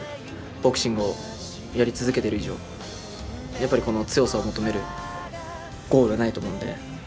ボクシングをやり続けてる以上やっぱり、強さを求めるゴールはないと思うので。